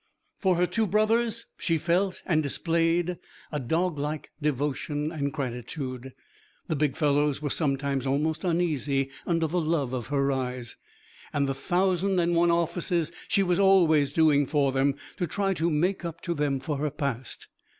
For her two brothers she felt and displayed a doglike devotion and gratitude. The big fellows were sometimes almost uneasy under the love of her eyes, and the thousand and one offices she was always doing for them to try to make up to them for her past.